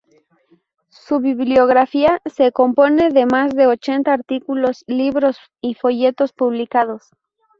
Su bibliografía se compone de más de ochenta artículos, libros y folletos publicados.